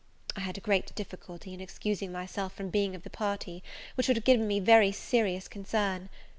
I had great difficulty in excusing myself from being of the party, which would have given me very serious concern.